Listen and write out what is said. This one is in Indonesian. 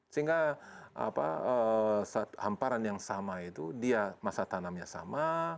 sehingga hamparan yang sama itu dia masa tanamnya sama